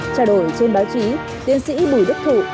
trả đổi trên báo chí tiên sĩ bùi đức thụ